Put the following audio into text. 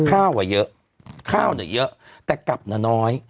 ข้าวอะเยอะข้าวอะเยอะแต่กลับน้อย